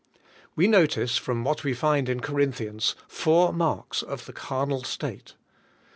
We notice from what we find in Corinthians, four marks of the carnal state.